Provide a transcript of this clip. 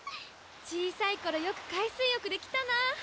小さい頃よく海水浴で来たなあ。